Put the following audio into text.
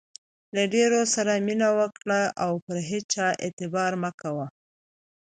له ډېرو سره مینه وکړئ، او پر هيچا اعتبار مه کوئ!